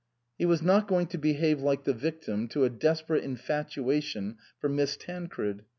He was not going to behave like the victim to a desperate infatuation for Miss Tancred.